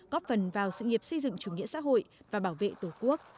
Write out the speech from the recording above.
góp phần vào sự nghiệp xây dựng chủ nghĩa xã hội và bảo vệ tổ quốc